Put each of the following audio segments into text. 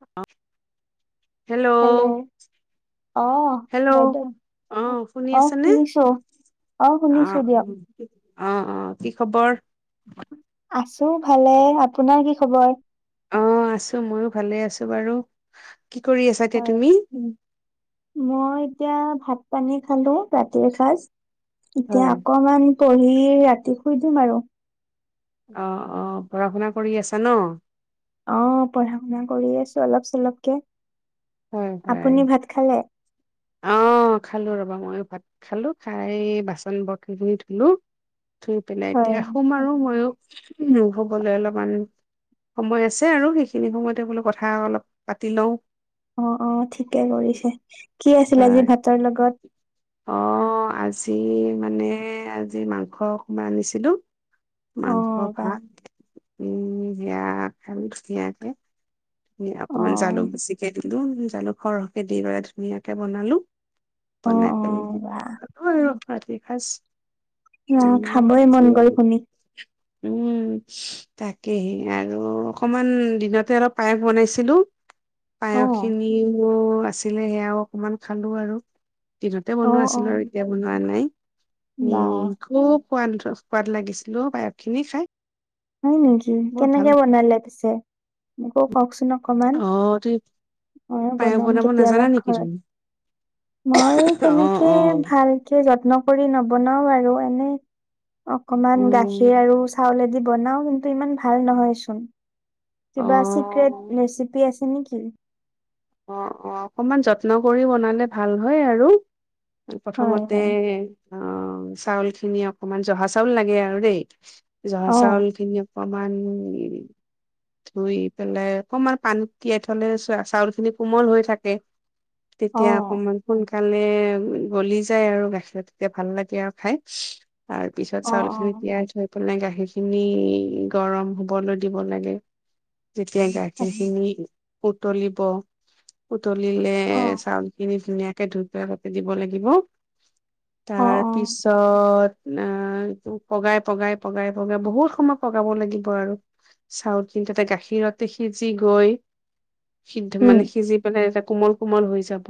[unintelligible] Hello, অ hello, বাইদেউ অ', শুনি আছা, অ শুনিছো আহ। দিয়ক অ', অ, কি খবৰ? আছোঁ ভালে, আপোনাৰ কি খবৰ? অ', আছোঁ, ময়ো ভালে আছোঁ বাৰু। কি কৰি আছা এতিয়া হয় তুমি? মই এতিয়া ভাত পানী খালো, ৰাতিৰ সাজ। এতিয়া হয় অকমান পঢ়ি ৰাতি শুই দিম আৰু। অ' অ' পঢ়া শুনা কৰি আছা ন? অ' পঢ়া শুনা কৰি আছো অলপ চলপকে। হয় হয় আপুনি ভাত খালে? অ খালো ৰবা মইও ভাত খালো খাই বাচন বৰ্ত খিনি ধুলো ধুই পেলাই হয় এতিয়া শুম আৰু মইও উম শুবলৈ অলপমান সময় আছে আৰু সেইখিনি সময়তে বোলো কথা অলপ পাতি লওঁ। অ অ ঠিকে কৰিছে কি আছিলে আজি হয় ভাতৰ লগত অ' আজি মানে আজি মাংস অকমান আনিছিলো অ মাংস বাহ ভাত [unintelligible] [unintelligible] অ অকমান জালুক বেছিকে দিলো জালুক সৰহকে দিলে ধুনীয়াকে বনালো অ বনাই অ বাহ [unintelligible] ৰাতি সাজ আহ খাবই মন গল উম শুনি উম তাকেহে আৰু অকমান দিনতে অলপ পায়স বনাইছিলো অ পায়স খিনিও আছিলে সেয়াও অকমান খালো আৰু দিনতে অ বনোৱা অ আছিল আৰু এতিয়া বনোৱা নাই। বাহ উম খুব সোৱাদ সোৱাদ লাগিছিলো পায়স খিনি খাই হয় নেকি বহুত ভাল কেনেকে বনালে পিছে। [inaudible] মোকো কওকচোন অকমান অ তুমি মইও পায়স বনাম বনাব কেতিয়াবা নাজানা নেকি ঘৰত তুমি মই অ', তেনেকে অ', ভালকে যত্ন কৰি [unintelligible] বনাও আৰু এনে অকমান গাখীৰ উম, আৰু চাউলেদি বনাও কিন্তু ইমান ভাল নহয়চোন অ', কিবা ছিক্ৰেট ৰেচিপি আছে নেকি? [inaudible] অ' অ' অকমান যত্ন কৰি বনালে ভাল হয় আৰু হয় প্ৰথমতে হয় অ' চাউল সিখিনি অকমান জহা চাউল লাগে আৰু দেই জহা অ চাউল খিনিয়ও অকমান ধুই পেলাই অকমান পানীত তিয়াই থলে চাউল খিনি। কোমল হৈ থাকে। অ তেতিয়া অকণমান। [unintelligible] [unintelligible] গলি যায় আৰু গাখীৰ তেতিয়া ভাল লাগে আৰু খাই। তাৰ পিছত অ চাউল খিনি তিয়াই থৈ পেলাই। [unintelligible] সেইখিনি গৰম হবলৈ দিব লাগে। যেতিয়া অ গাখীৰ খিনি উত। তলিব। উতলিলে অ চাউল খিনি ধুনীয়াকে ধুই। ততে দিব লাগিব। অ তাৰ অ পিছত। আহ টো পগাই পগাই পগাই পগাই বহুত সময় পগাব লাগিব আৰু চাউল খিনি তাতে গাখীৰতে সিজি গৈ। সিদ্ধ উম মানে। সিজি পেলাই এটা কোমল কোমল হৈ যাব।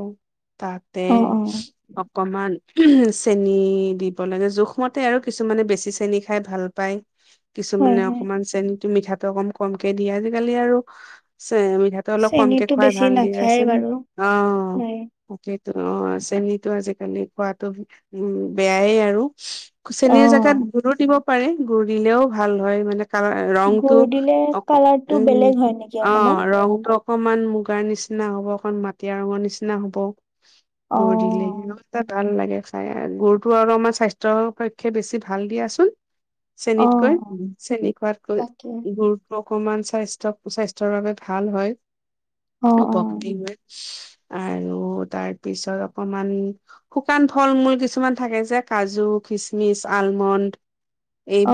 তাতে অ অ অকমান। চেনী দিব লাগে জোখমতে আৰু কিছুমানে বেছি চেনি খাই ভাল পায়। হয় কিছুমানে হয় অকমান চেনী। মিঠাটো অকন কমকে দিয়ে আজিকালি আৰু চে। চেনীতো বেছি না। চেনি অহ। সেইটো অ চেনটো আজিকালি খোৱাতো উম বেয়াই আৰু। অ চেনীৰ জেগাত গুৰ দিব। পাৰে গুৰ দিলেও ভাল হয় মানে। [unintelligible] ৰংটো গুৰ দিলে অক কালাৰটো উম বেলেগ হয় নেকি অ অকমান ৰংটো অক। একমান মুগাৰ নিচিনা। নিচিনা হব অকণ মাটিয়া ৰঙৰ নিচিনা হব। গুৰ অ', [unintelligible] ভাল লাগে। খাই গুৰটো আৰু আমাৰ স্বাস্থ্যৰ পক্ষে বেছি ভাল দিয়াচোন। চেনীতকৈ অ', চেনী খোৱাতকৈ তাকে গুৰ। অকণমান স্বাস্থ্য স্বাস্থ্যৰ বাবে ভাল হয়। অ', অ', [unintelligible] আৰু তাৰ পিছত অকমান শুকান ফল মূল কিছুমান থাকে যে কাজু খিচমিচ আলমণ্ড।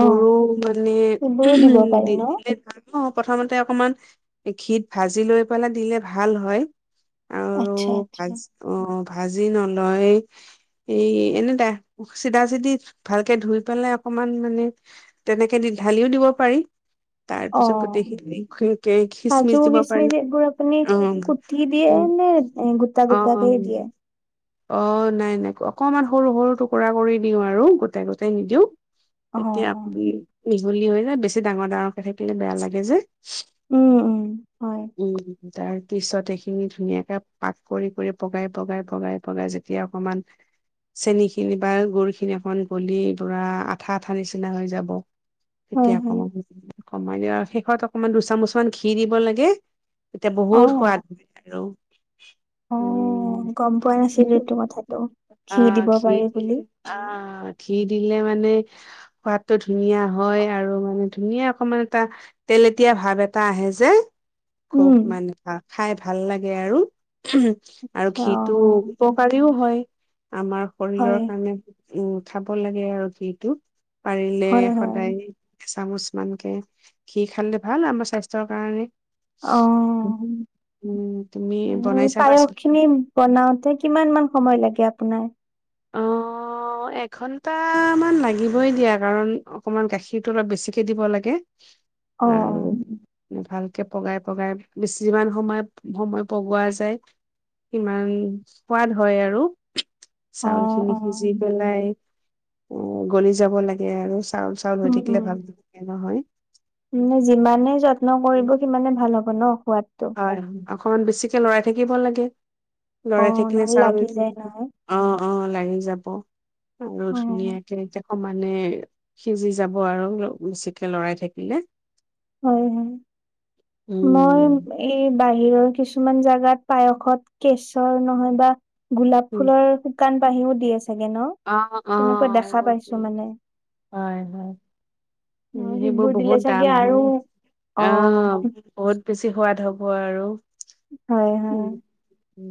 অ', মানে সেইবোৰো দিব উম পাৰি দি ন? দিলে ভাল। অ প্ৰথমতে অকমান ঘিত ভাজি লৈ পেলাই দিলে। ভাল হয়। আৰু আচ্ছা, আচ্ছা, [unintelligible] অ, অ। ভাজি নলয়, এই এনে দা, চিধা চিধি ভালকে ধুই পেলাই অকমান মানে তেনেকে দি ঢালিও দিব পাৰি। তাৰ পিছত অ', গোটেইখিনি [unintelligible] খিচমিচ দিব পাৰি কু্তি দিয়ে, উম নে গোটা গোটাকেই অ দিয়ে? অ', নাই, নাই, অকমান সৰু সৰু টুকুৰা কৰি দিওঁ আৰু, গোটে গোটে নিদিওঁ অ', এতিয়া অ', আপুনি মিহলি হৈ যায়, বেছি ডাঙৰ ডাঙৰকৈ থাকিলে বেয়া লাগে যে উম, হয়। উম তাৰ পিছত এইখিনি ধুনীয়াকে পাক কৰি কৰি, পগাই, পগাই, পগাই, পগাই যেতিয়া অকমান চেনী খিনি বা গুৰ খিনি অকন গলি পুৰা আঠা আঠা নিচিনা হৈ যাব হয়, তেতিয়া হয়, [unintelligible] কমাই দি আৰু শেষত অকমান দুচামুচমান ঘিঁ দিব লাগে তেতিয়া বহুত অ', সোৱাদ [unintelligible] আৰু অ', উম, গম পোৱা নাছিলো এইটো কথাটো। ঘি অ', দিব ঘিঁ পাৰি বুলি, দিলে, অ', ঘিঁ দিলে মান [unintelligible] সোৱাদটো ধুনীয়া হয় আৰু মানে ধুনীয়া অকমান এটা, তেলেতীয়া ভাৱ এটা আহে যে। উম, [unintelligible] খাই ভাল লাগে আৰু। আৰু ঘিটো অ', উপকাৰীওঁ হয়। [inaudible] আমাৰ শৰীৰৰ হয়, কাৰণে উম, খাব লাগে আৰু ঘিটো। পাৰিলে হয়, হয়, সদায়ে এচামুচ মানকে, ঘি খালে ভাল আমাৰ স্বাস্থ্যৰ কাৰণে। অ', উম তুমি বনাই পায়স চাবাচোন খিনি বনাওঁতে কিমান মান সময় লাগে, আ আপোনাৰ অ', এঘন্টামান লাগিবই দিয়া, কাৰণ অকণমান গাখীৰটো অলপ বেছিকে দিব লাগে। অহ, অ'। আৰু ভালকে পগাই পগাই, বেছিমান সময়, সময় পগোৱা যায় সিমান সোৱাদ হয় আৰু। অ চাউল খিনি অ সিজি পেলাই উম, গলি যাব লাগে আৰু চাউল চাউল হৈ উম থাকিলে উম ভাল [unintelligible] মানে যিমানে যত্ন কৰিব, সিমানে ভাল হ'ব ন সোৱাদ। হয় অসমকমান বেছিকে লৰাই থাকিব লাগে অ লৰাই থাকিলে নহ'লে চাও লাগি যায় নহয় অ' অ' লাৰি যাব অ' অ' ধুনিয়া কেইটা অ' মানে সিজি যাব আৰু বেছিকে লৰাই থাকিলে হয় হয় মই, উম এই বাহিৰৰ কিছুমান জাগাত পায়সত কেশৰ নহয় বা গোলাপ ফুলৰ শুকান পাহীও দি আছে অ' অ' সেইবোৰ মানে হয় হয় অ উ সেইবোৰ দিলে বহুত চাগে দাম আৰু হয়। অ' বহুত বেছি সোৱাদ হওক। হয় আৰু। হয় হয়। উম।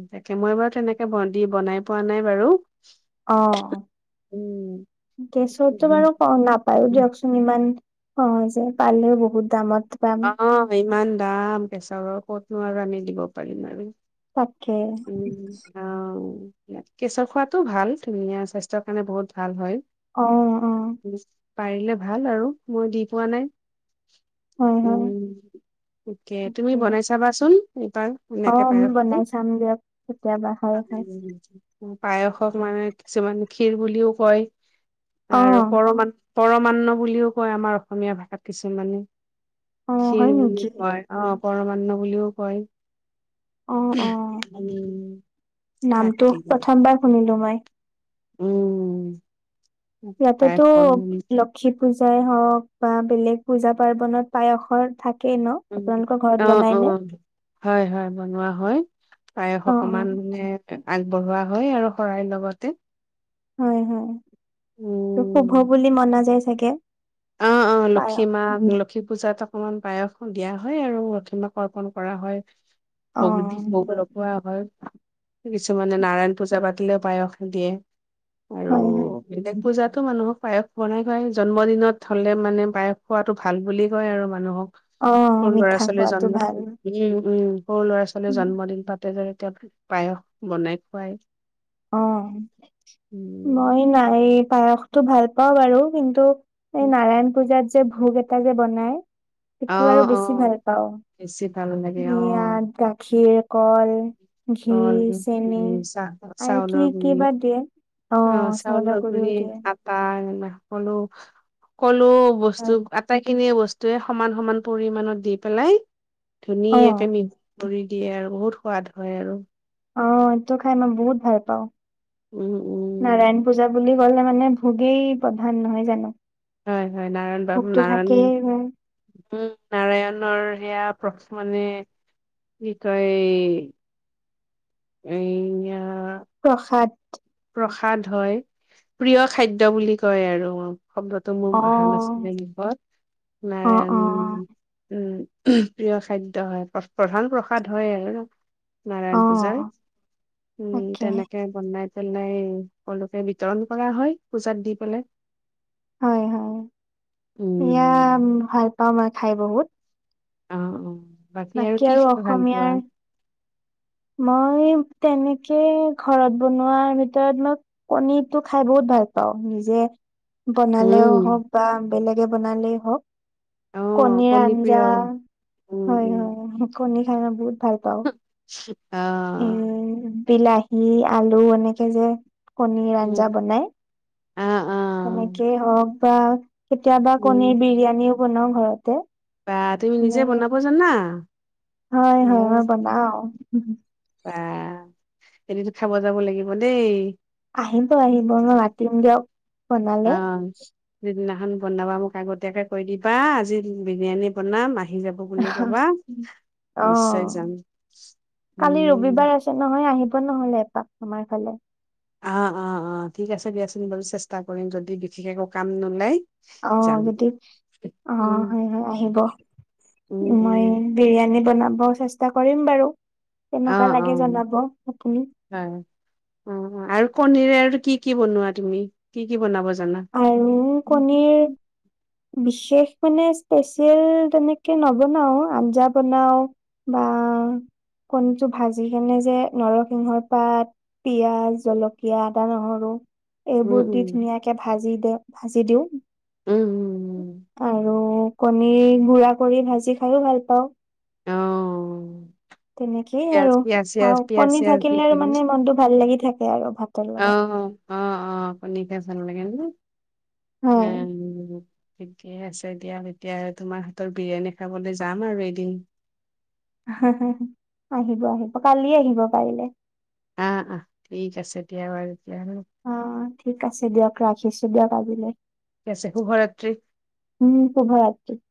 তাকে মই বাৰু তেনেকে দি বনাই পোৱা নাই বাৰু। অ' উম, গেছতটো বাৰু ক নাপায়ো দিয়কচোন ইমান অ' যে পালেও বহুত দামত। পাম অ' ইমান দাম কেশৰৰ ক'ত নো আৰু আমি দিব পাৰিম আৰু তাকে উম অ' কেঁচৰ খোৱাতো ভাল ধুনীয়া স্বাস্থ্যৰ কাৰণে বহুত ভাল হয়। অ' অ'। উম, পাৰিলে ভাল আৰু মই দি পোৱা নাই। হয় হয় উম তাকে তুমি বনাই চাবাচোন। এইবাৰ অ অনেকে আমি পায়োহ বনাই টো চাম দিয়ক কেতিয়াবা হয় হয়। পায়সক মানে কিছুমান ক্ষীৰ বুলিও কয় অ আৰু পৰমাণ, মান্ন বুলিও কয় আমাৰ অসমীয়া ভাষাত কিছুমানে। অ হয় ক্ষীৰ বুলি নেকি কয় অ। পৰমান্ন বুলিও কয়। অ উম, অ' নামটো প্ৰথমবাৰ শুনিলো মই। উ। ইয়াতেতো, লক্ষী পূজ জাই হওঁক বা বেলেগ পূজা-পাৰ্বনত পায়সৰ থাক উ, অ', অ', হয়, হয় বনোৱা হয়। পায়স অ অ অকমানে আগবঢ়োৱা হয় আৰু শৰাইৰ লগতে। হয়, হয়। শুভ উম। বুলি মনা যাই একে। অ', লক্ষীমা, লক্ষী পূজাত অকমান পায়স দিয়া হয় আৰু লক্ষীমাক অৰ্পন কৰা হয়। অ সৰ্বদিশ ম'বাইলৰ পৰা হয়। কিছুমানে নাৰায়ণ পূজা পাতিলেও পায়স দিয়ে। আৰু, হয় হয় বেলেগ পুজাত তোমালোকক পায়স বনাই খোৱাই জন্মদিনত হ'লে মানে পায়স খোৱাটো ভাল বুলি কয় আৰু মানুহক। অ মোৰ মিঠা ল'ৰা-ছোৱালীৰ খোৱাটো জন্ম। ভাল উ, উ। সৰু ল'ৰা-ছোৱালীৰ জন্মদিন পাতে যে। [unintelligible] পায়স বনাই খোৱায়। অ'। উম মই নায়ে। পায়সটো ভাল পাওঁ বাৰু, কিন্তু এই নাৰায়ণ পূজাত যে ভোগ এটা যে বনাই। অ সেটো আৰু অ বেছি ভালপাওঁ। বেছি ভাল লাগে অ মিয়াদ গাখীৰ কল। ঘি অ', চেনি আৰু কি চা-চাউলৰ কি গুৰি, বা দিয়ে অ' চাউলৰ গুৰি আটা এইবিলাক। কলো, কল। অ', হয় বস্তু, আটাইখিনিয়ে বচ টোৱে সমান সমান পৰিমানত দি পেলাই অ ধুনীয়াকে নিম। কৰি দিয়ে আৰু বহুত সোৱাদ। হয় আৰু। অ', এইটো খাই মই বহুত ভালপাওঁ। উম, উম, নাৰায়ণ পূজা বুলি। গলে মানে ভোগেই প্ৰধান নহয় জানো? হয় হয় নাৰায়ণ বাবু ভোগটো থাকেই উম, নাৰায়ণ নাৰায়ণৰ সেয়া প্ৰ মানে কি কয় এই প্ৰসাদ প্ৰসাদ হয় প্ৰিয় খাদ্য বুলি কয় আৰু শব্দটো মোৰ অ অা নাছিলেহত অ নাৰণ অ উম প্ৰিয় খাদ্য হয় প্ৰধান প্ৰসাদ হয় আৰু অ নাৰায়ণ পূজাৰ উম তাকে তেনেকে বনাই নাই সকলোকে বিতৰণ কৰা হয় পূজাত দি পেলাই হয় হয় এ উম, তমা খায় বহুত অ অ বাকী কি আৰু খাই ভাল পোৱা? অসমীয়াৰ মই তেনেকে ঘৰত বনোৱাৰ ভিতৰত মই কণীটো খাই বহুত ভাল পাওঁ নিজে বনালেও উম। হওক বা বেলেগে বনালেই হওক অ', কণীৰ কণী আঞ্জা প্ৰিয় উম, হয় উম, হয় কণ খ বহত ভাল পাওঁ অ', উম বিলাহী আলু এনেকে যে কণী উম, আঞ্জা বনাই অ অ তেনেকে হবা কেতিয়াবা উম, কণীৰ বিৰিয়ানী বনাওঁ ঘৰতে বা তুমি নিজে এনেকে বনাব জান না হয় হয় হয় বনাও উম হু আহ এদতো খাব যাব লাগিব দেই আহিব আহিব মই মাতিম দিয়ক বনালে স দিদিনাখন বনাবা মোক আগতীয়াকে কৈ দিবা আজি বিৰিয়ানী বনাম আহ আহি যাব বুলি কবা অ নিশ্চয় যাম কালি উম, ৰবিবাৰ আছে ন [unintelligible] আহিব নহলে এপাক, আমাৰ ফালে। আহ, আহ, আহ, ঠিক আছে দিয়াচোন বাৰু চেষ্টা কৰিম, যদি বিশেষ একো কাম নোলায়। অ', যদি, অ', হয় হয় আহিব, উম, উম, মই বিৰিয়ানী বনাম। [unintelligible] চেষ্টা কৰিম বাৰু। অ', কেনেকুৱা লাগে অ', জনাব, আপুনি। কনীৰে আৰু কি কি বনোৱা তুমি? কি কি বনাব জা আৰু কণীৰ [unintelligible] বিশেষ মানে স্পেচিয়েল তেনেকে নবনাওঁ, আঞ্জা বনাওঁ বা কণীটো ভাজি কেনে যে, নৰসিংহৰ পাত, পিয়াজ, জলকীয়া, আদা নহৰু এই বুদ্ধিক উম নিয়েক এ ভাজি দে, ভাজি দিওঁ। উম উম আৰু কণী গুৰা কৰি ভাজি খাইও ভাল পাওঁ। অ তেনেকেই পিয়াজ আৰু, পিয়াজ চিয়াজ চাও পিয়াজ কণী চিয়াজ থাকিলে মানে মনটো ভাল লাগি থাকে [unintelligible] লগত আহ, আহ, অ', কণী [unintelligible] হয় [unintelligible] ঠিকে আছে দিয়া। এতিয়া আৰু তোমাৰ হাতৰ বিৰিয়ানী খাবলৈ যাম আৰু এদিন। আহিব আহিব, কালিয়ে আহিব পাৰিলে। আহ, আহ, ঠিক আছে দিয়া বাৰু। তেতিয়া অ', ঠিক আছে দিয়ক, ৰাখিছো দিয়ক আজিলৈ। ঠিক আছে শুভৰাত্ৰি উম, শুভৰাত্ৰি।